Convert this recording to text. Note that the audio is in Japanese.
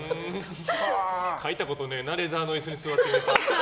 書いたことねえなレザーの椅子に座って、ネタ。